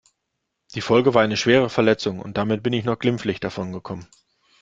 Die Folge war eine schwere Verletzung und damit bin ich noch glimpflich davon gekommen.